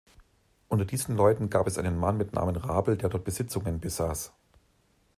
Unter diesen Leuten gab es einen Mann mit Namen Rabl, der dort Besitzungen besaß.